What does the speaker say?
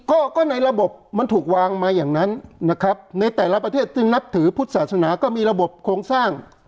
ก็ก็ในระบบมันถูกวางมาอย่างนั้นนะครับในแต่ละประเทศซึ่งนับถือพุทธศาสนาก็มีระบบโครงสร้าง